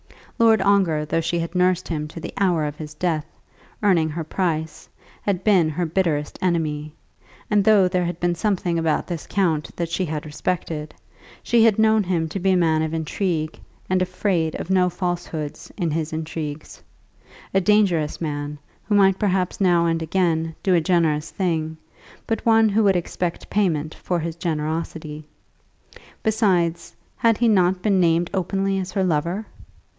Lord Ongar, though she had nursed him to the hour of his death, earning her price, had been her bitterest enemy; and though there had been something about this count that she had respected, she had known him to be a man of intrigue and afraid of no falsehoods in his intrigues, a dangerous man, who might perhaps now and again do a generous thing, but one who would expect payment for his generosity. Besides, had he not been named openly as her lover?